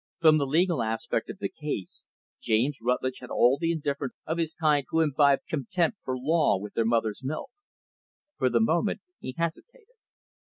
For the legal aspect of the case, James Rutlidge had all the indifference of his kind, who imbibe contempt for law with their mother's milk. For the moment he hesitated.